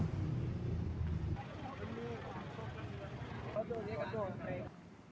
kecelakaan diduga terjadi karena mobil suv menerbang ke sisi kiri hingga menabrak mobil mpv yang berjalan pelan di sisi kiri